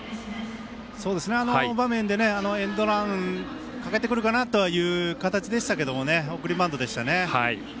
あの場面でエンドランかけてくるかなという形でしたけどもね送りバントでしたね。